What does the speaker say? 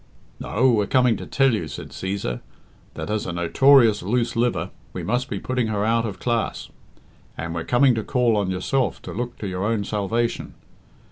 "No; we're coming to tell you," said Cæsar, "that, as a notorious loose liver, we must be putting her out of class. And we're coming to call on yourself to look to your own salvation.